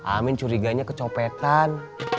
amin curiganya kecopetan